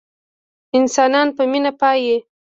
انسانان په مينه پايي